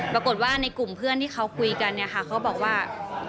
ปรากฏว่าในกลุ่มเพื่อนที่เขาคุยกันเนี่ยค่ะเขาบอกว่า